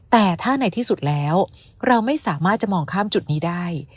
แต่ถ้าในที่สุดแล้วเราไม่สามารถจะมองข้ามจุดนี้ได้